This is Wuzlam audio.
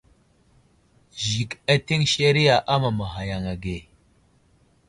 Zik ateŋ seriya amamaghay yaŋ age.